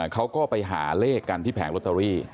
เขาก็ไปหาเลขกันที่แผงลอตเตอรี่